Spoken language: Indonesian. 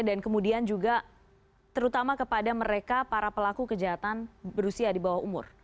dan kemudian juga terutama kepada mereka para pelaku kejahatan berusia di bawah umur